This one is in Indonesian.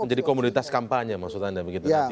menjadi komunitas kampanye maksud anda begitu